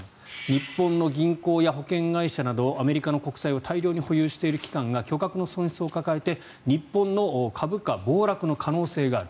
日本の銀行や保険会社などアメリカの国債を大量に保有している機関が巨額の損失を抱えて日本の株価暴落の可能性がある。